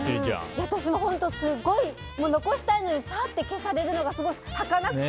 私も本当、すごい残したいのにさーって消されるのがはかなくて。